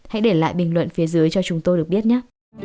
hãy để lại bình luận phía dưới cho chúng tôi được biết nhé